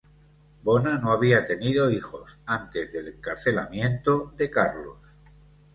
Bona no había tenido hijos antes del encarcelamiento de Carlos.